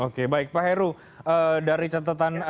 oke baik pak heru dari catatan